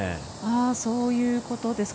そういうことですか。